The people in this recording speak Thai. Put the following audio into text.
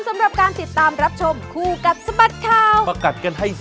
ไม่ใช่ง่ายเลย